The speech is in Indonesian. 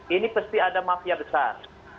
ini pasti ada mafia besar